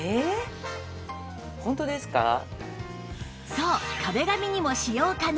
そう壁紙にも使用可能